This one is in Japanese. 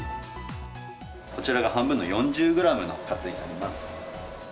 こちらが半分の４０グラムのカツになります。